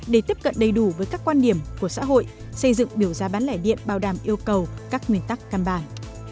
để tiếp cận đầy đủ với các quan điểm của xã hội xây dựng biểu giá bán lẻ điện bảo đảm yêu cầu các nguyên tắc căn bản